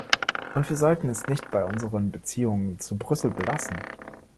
Und wir sollten es nicht bei unseren Beziehungen zu Brüssel belassen!